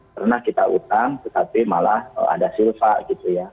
pernah kita utang tetapi malah ada silva gitu ya